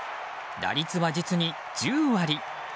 打率は実に１０割。